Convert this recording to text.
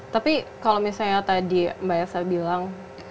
tapi kalau misalnya tadi mbak elsa bilang